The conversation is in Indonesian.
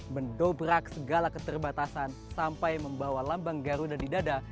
mendobrak segala keterbatasan sampai membawa lambang garuda di dada